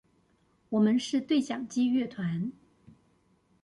我們是對講機樂團